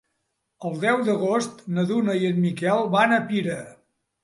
El deu d'agost na Duna i en Miquel van a Pira.